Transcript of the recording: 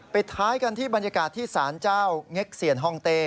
ปิดท้ายกันที่บรรยากาศที่สารเจ้าเง็กเซียนฮองเต